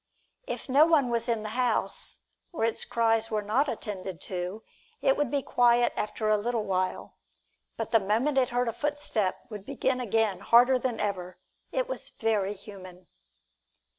"If no one was in the house, or its cries were not attended to, it would be quiet after a little while; but the moment it heard a footstep would begin again, harder than ever. It was very human."